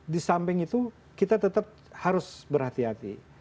di samping itu kita tetap harus berhati hati